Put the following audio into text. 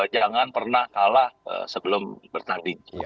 jangan pernah kalah sebelum bertanding